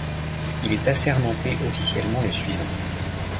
Il est assermenté officiellement le suivant.